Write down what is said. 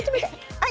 はい。